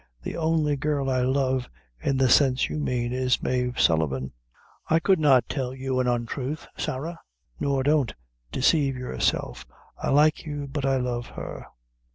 The only girl I love in the sense you mane, is Mave Sullivan. I could not tell you an untruth, Sarah; nor don't desave yourself. I like you, but I love her."